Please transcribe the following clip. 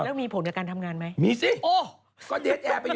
คุณจะพูดอย่างงั้นคือเขาซื้อมา